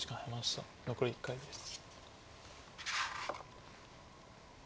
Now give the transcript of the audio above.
残り１回です。